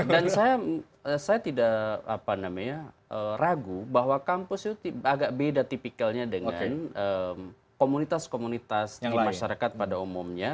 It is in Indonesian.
dan saya tidak ragu bahwa kampus itu agak beda tipikalnya dengan komunitas komunitas di masyarakat pada umumnya